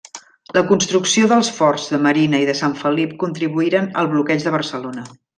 La construcció dels forts de Marina i de Sant Felip contribuïren al bloqueig de Barcelona.